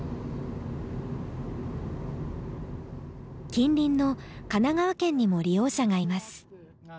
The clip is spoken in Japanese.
近隣の神奈川県にも利用者がいます。